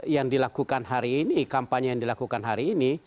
yang dilakukan hari ini kampanye yang dilakukan hari ini